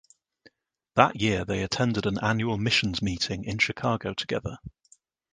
That year they attended an annual missions meeting in Chicago together.